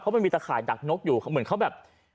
เพราะไม่มีตากข่ายดักนกอยู่เหมือนเขาแบบ